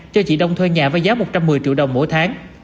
cho chị đông thuê nhà với giá một trăm một mươi triệu đồng mỗi tháng